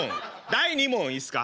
第２問いいすっか？